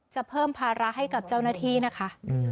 จะเพิ่มภาระให้กับเจ้าหน้าที่นะคะ